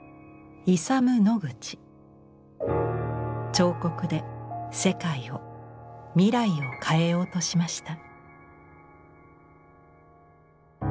彫刻で世界を未来を変えようとしました。